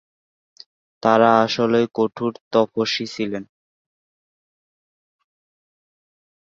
তারা সকলেই কঠোর তপস্বী ছিলেন।